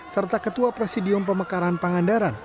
serta ketua presidium pemekaran pangandaran